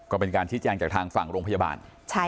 ก็เป็นการชี้แจงจากทางฝั่งโรงพยาบาล